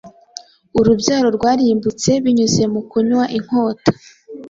Urubyaro rwarimbutse binyuze mu kunywa-inkota